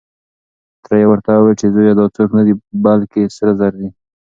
تره يې ورته وويل چې زويه دا څوک نه دی، بلکې سره زر دي.